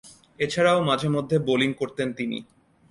এছাড়াও, মাঝে-মধ্যে বোলিং করতেন তিনি।